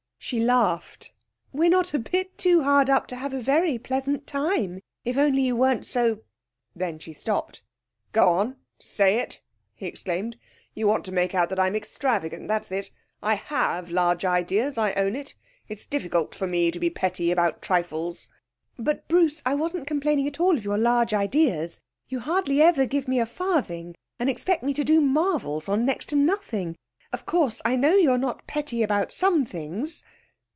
She laughed. 'We're not a bit too hard up to have a very pleasant time, if only you weren't so ,' then she stopped. 'Go on; say it!' he exclaimed. 'You want to make out I'm extravagant, that's it! I have large ideas, I own it; it's difficult for me to be petty about trifles.' 'But, Bruce, I wasn't complaining at all of your large ideas. You hardly ever give me a farthing, and expect me to do marvels on next to nothing. Of course, I know you're not petty about some things.'